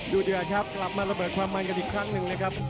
ดูเดือดครับกลับมาระเบิดความมันกันอีกครั้งหนึ่งนะครับ